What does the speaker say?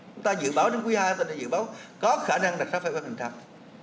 chúng ta dự báo đến cuối hai chúng ta dự báo có khả năng đặt ra pháp luật hành trạng